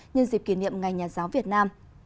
nhân dịp kỷ niệm ngày nhà giáo việt nam